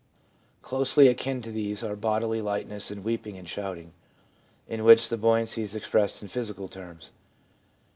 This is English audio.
Closely akin to these are bodily lightness and weeping and shouting, in which the buoy ancy is expressed in physical terms.